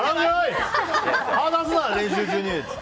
話すな、練習中にって。